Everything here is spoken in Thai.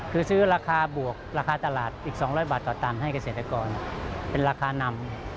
คือซื้อราคาบวกราคาตลาดอีก๒๐๐บาทต่อตันให้เกษตรกรเป็นราคานำ